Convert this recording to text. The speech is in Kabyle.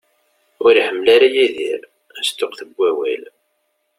Ur iḥemmel ara Yidir asṭuqqet n wawal.